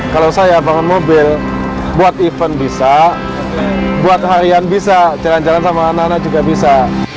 kalau saya bangun mobil buat event bisa buat harian bisa jalan jalan sama anak anak juga bisa